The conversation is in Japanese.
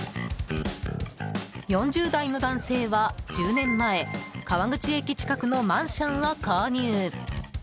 ４０代の男性は、１０年前川口駅近くのマンションを購入。